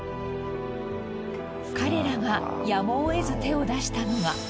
彼らがやむを得ず手を出したのが。